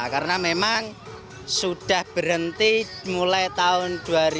karena memang sudah berhenti mulai tahun dua ribu dua puluh